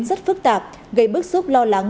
rất phức tạp gây bức xúc lo lắng